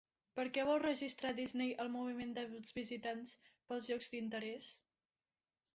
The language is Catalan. Per què vol registrar Disney el moviment dels visitants pels llocs d'interès?